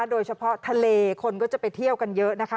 โดยเฉพาะทะเลคนก็จะไปเที่ยวกันเยอะนะคะ